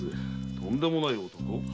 とんでもない男？